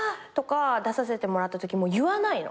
出させてもらったときも言わないの。